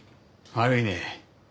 悪いね。